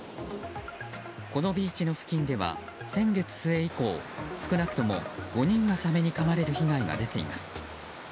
このビーチの付近では先月末以降少なくとも５人がサメにかまれる被害が出ています。